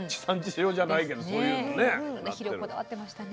肥料こだわってましたね。